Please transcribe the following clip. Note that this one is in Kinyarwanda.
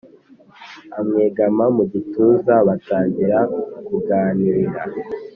amwegama mugituza batangira kuganira